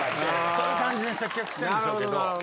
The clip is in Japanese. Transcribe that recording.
そういう感じで接客してんでしょうけど。